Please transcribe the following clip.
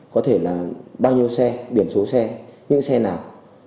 có thể là bao nhiêu xe biển số xe những xe nào